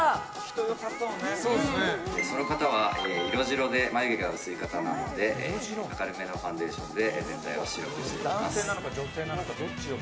その方は色白で眉毛が薄い方なので明るめのファンデーションで全体を白くしています。